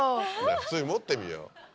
普通に持ってみよう。